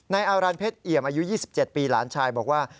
อารันเพชรเอี่ยมอายุ๒๗ปีหลานชายบอกว่า